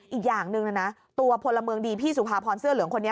อีกอย่างหนึ่งนะนะตัวพลเมืองดีพี่สุภาพรเสื้อเหลืองคนนี้